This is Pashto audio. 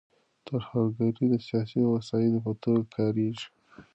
ترهګري د سیاسي وسیلې په توګه کارېږي.